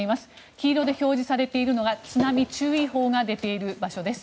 黄色で表示されているのが津波注意報が出ている場所です。